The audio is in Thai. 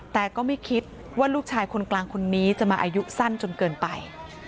แต่ก็ไม่คิดว่าลูกชายคนกลางคนนี้จะมาอายุสั้นจนเกินไป